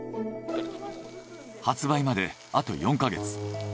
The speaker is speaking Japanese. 発売まであと４か月。